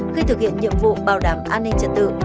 khi thực hiện nhiệm vụ bảo đảm an ninh trật tự